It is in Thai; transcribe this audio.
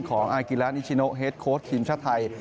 ของอากิราชอิชิโนะเฮดโคสต์ทีมชาติไทย